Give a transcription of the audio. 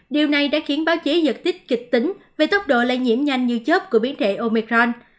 điều này đã khiến báo chí giật tích kịch tính về tốc độ lây nhiễm nhanh như chất của biến thể omicron